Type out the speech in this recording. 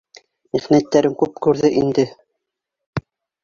Михнәттәрен күп күрҙе инде